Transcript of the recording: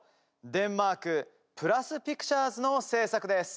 デンマークプラスピクチャーズの制作です。